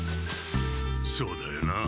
そうだよな。